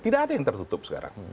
tidak ada yang tertutup sekarang